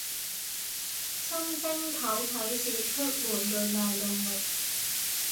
新正頭啟市出門最大動力